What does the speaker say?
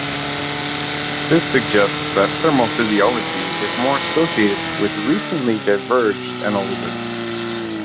This suggests that thermal physiology is more associated with recently diverged anole lizards.